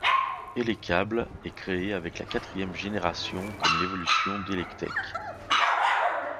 Élekable est créé avec la quatrième génération comme l'évolution d'Élektek.